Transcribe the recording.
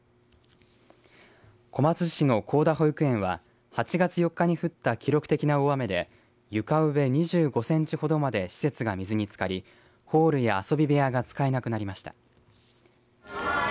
小松市の河田保育園は８月４日に降った記録的な大雨で床上２５センチほどまで施設が水につかりホールや遊び部屋が使えなくなりました。